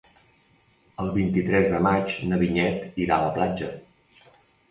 El vint-i-tres de maig na Vinyet irà a la platja.